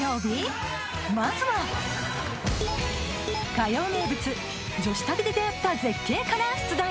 火曜名物女子旅で出会った絶景から出題！